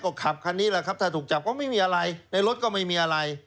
ก็ขับคันนี้แหละครับถ้าถูกจับก็ไม่มีอะไรในรถก็ไม่มีอะไร